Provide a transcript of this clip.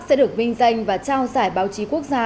sẽ được vinh danh và trao giải báo chí quốc gia